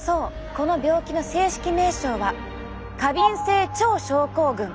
この病気の正式名称は過敏性腸症候群。